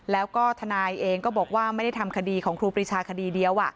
แล้วก็ทนายเองก็บอกว่าไม่ได้ทำคดีของครูปรีชาคดีเดียว